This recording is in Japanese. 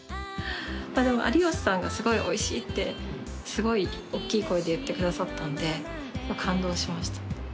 有吉さんがすごいおいしいってすごいおっきい声で言ってくださったんで感動しました。